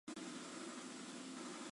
但被阻止。